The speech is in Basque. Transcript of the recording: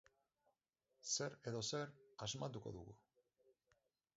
Zer edo zer asmatuko dugu.